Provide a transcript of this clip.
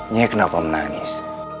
nyai kenapa menangis